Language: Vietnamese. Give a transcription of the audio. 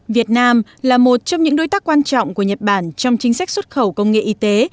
việt nam là một trong những đối tác quan trọng của nhật bản trong chính sách xuất khẩu công nghệ y tế